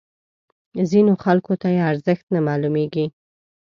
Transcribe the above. ځینو خلکو ته یې ارزښت نه معلومیږي.